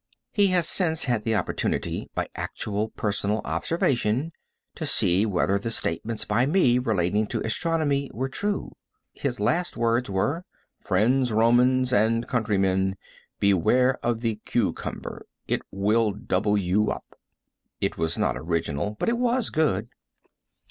He has since had the opportunity, by actual personal observation, to see whether the statements by me relating to astronomy were true. His last words were: "Friends, Romans and countrymen, beware of the q cumber. It will w up." It was not original, but it was good.